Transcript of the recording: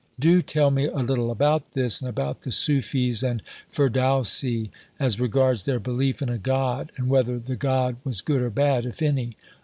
Do tell me a little about this, and about the Sufis and Firdausi as regards their belief in a God, and whether the God was good or bad, if any."